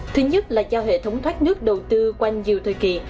thứ nhất là do hệ thống thoát nước đầu tư quanh nhiều thời kỳ